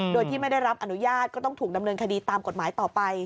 โดยที่ไม่ได้รับอนุญาตก็ต้องถูกดำเนินคดีตามกฎหมายต่อไป